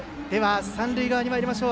三塁側にまいりましょう。